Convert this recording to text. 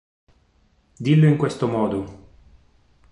Dillo in questo modo!